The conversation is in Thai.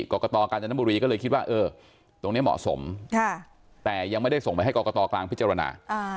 กรกตกาญจนบุรีก็เลยคิดว่าตรงนี้เหมาะสมแต่ยังไม่ได้ส่งไปให้กรกตกลางพิจารณา